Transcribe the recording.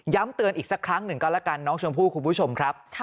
เตือนอีกสักครั้งหนึ่งก็แล้วกันน้องชมพู่คุณผู้ชมครับ